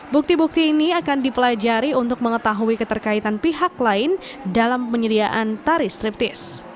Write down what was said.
bukti bukti ini akan dipelajari untuk mengetahui keterkaitan pihak lain dalam penyediaan tari striptis